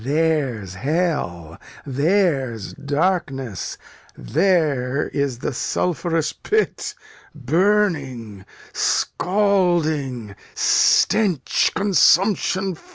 There's hell, there's darkness, there's the sulphurous pit; burning, scalding, stench, consumption.